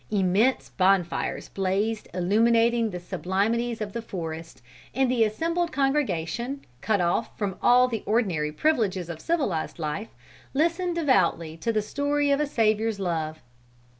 Immense bonfires blazed illuminating the sublimities of the forest, and the assembled congregation, cut off from all the ordinary privileges of civilized life, listened devoutly to the story of a Savior's love.